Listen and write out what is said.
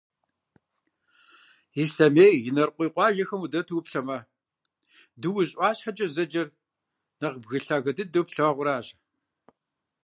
Ислъэмей, Инарыкъуей къуажэхэм удэту уплъэмэ, Дуужь ӏуащхьэкӏэ зэджэр нэхъ бгы лъагэ дыдэу плъагъуращ.